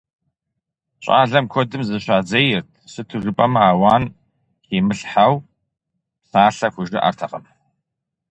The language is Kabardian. ЩӀалэм куэдым зыщадзейрт, сыту жыпӀэмэ ауан химылъхьэу псалъэ хужыӀэртэкъым.